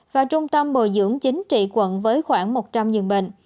và trung tâm bồi dưỡng chính trị quận với khoảng một trăm linh dường bệnh